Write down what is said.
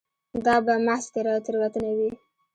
دا به محض تېروتنه وي.